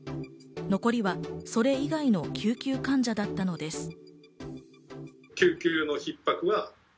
残りは、それ以外の救急患者だったのです。